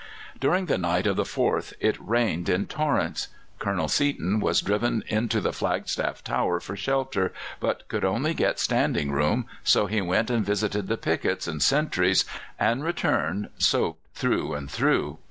During the night of the 4th it rained in torrents. Colonel Seaton was driven into the Flagstaff Tower for shelter, but could only get standing room, so he went and visited the pickets, and sentries, and returned soaked through and through.